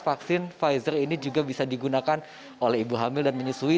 vaksin pfizer ini juga bisa digunakan oleh ibu hamil dan menyusui